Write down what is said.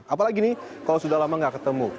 apalagi nih kalau sudah lama nggak ketemu